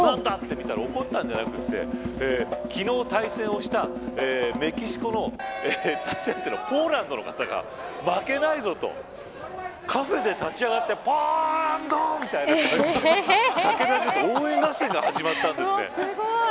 怒ったんじゃなくて昨日、対戦をしたメキシコの対戦相手のポーランドの方が負けないぞとカフェで立ち上がって叫び始めて応援合戦が始まったんです。